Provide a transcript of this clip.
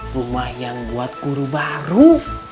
rumah yang buat guru baru